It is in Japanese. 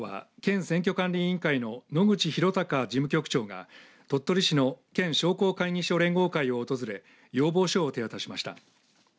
きょうは県選挙管理委員会の野口洋隆事務局長が鳥取市の県商工会議所連合会を訪れ要望書を手渡しました。